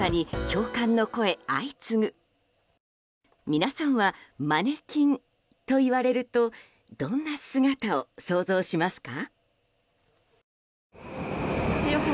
皆さんはマネキンといわれるとどんな姿を想像しますか？